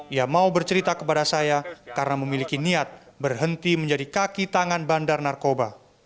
ia mau bercerita kepada saya karena memiliki niat berhenti menjadi kaki tangan bandar narkoba